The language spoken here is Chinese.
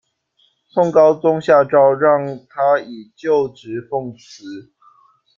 宋高宗下诏让他以旧职奉祠。